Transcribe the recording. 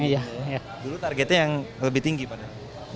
dulu targetnya yang lebih tinggi pada